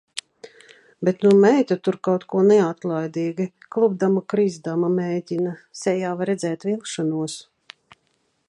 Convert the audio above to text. Bet nu meita tur kaut ko neatlaidīgi, klupdama krizdama, mēģina, sejā var redzēt vilšanos.